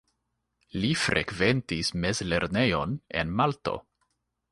Li frekventis mezlernejon en Malto.